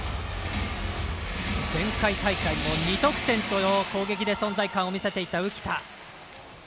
前回大会も２得点と攻撃で存在感を見せていた浮田。